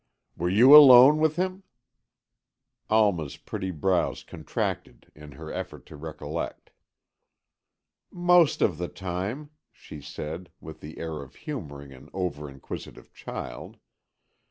"Were you alone with him?" Alma's pretty brows contracted in her effort to recollect. "Most of the time," she said, with the air of humouring an over inquisitive child. "Mr.